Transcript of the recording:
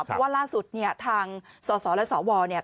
เพราะว่าล่าสุดเนี่ยทางสสและสวเนี่ย